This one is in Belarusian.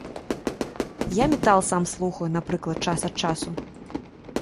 Я метал сам слухаю, напрыклад, час ад часу.